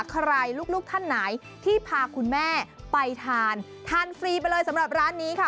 ลูกท่านไหนที่พาคุณแม่ไปทานทานฟรีไปเลยสำหรับร้านนี้ค่ะ